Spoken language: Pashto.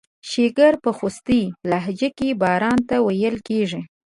شیګیره په خوستی لهجه کې باران ته ویل کیږي.